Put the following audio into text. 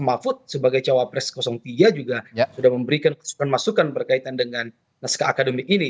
mahfud sebagai cawapres tiga juga sudah memberikan masukan masukan berkaitan dengan naskah akademik ini